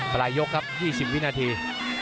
ปลายยกครับ๒๐วินาที